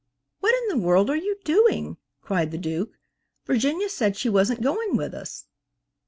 "What in the world are you doing," cried the Duke. "Virginia said she wasn't going with us."